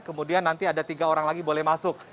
kemudian nanti ada tiga orang lagi boleh masuk